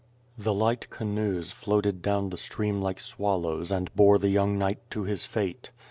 The light canoes floated down the stream like swallows and bore the young knight to his fate.